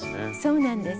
そうなんです。